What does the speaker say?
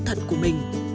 thật của mình